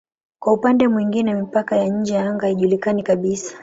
Kwa upande mwingine mipaka ya nje ya anga haijulikani kabisa.